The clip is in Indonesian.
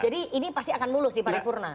jadi ini pasti akan mulus di pari purna